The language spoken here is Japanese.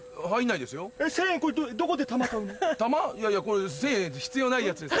いやいやこれ１０００円必要ないやつです。